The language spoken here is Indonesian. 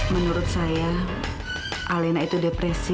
menurut saya alena itu depresi